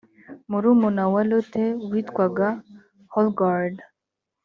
murumuna wa lotte witwaga hallgerd